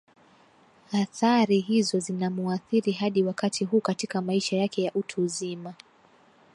athaari hizo zinamuathiri hadi wakati huu katika maisha yake ya utu uzima